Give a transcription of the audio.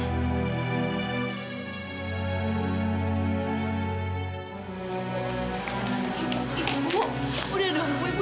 ibu udah dong ibu